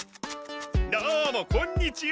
どうもこんにちは！